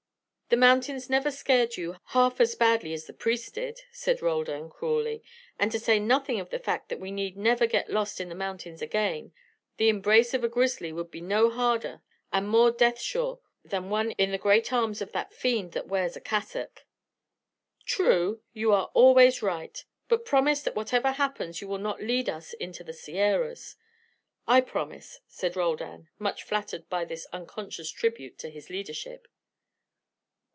"The mountains never scared you half as badly as the priest did," said Roldan, cruelly. "And to say nothing of the fact that we need never get lost in the mountains again, the embrace of a grizzly would be no harder and more death sure than one in the great arms of that fiend that wears a cassock." "True. You are always right. But promise that whatever happens you will not lead us into the Sierras." "I promise," said Roldan, much flattered by this unconscious tribute to his leadership.